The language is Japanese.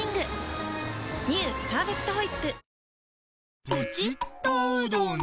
「パーフェクトホイップ」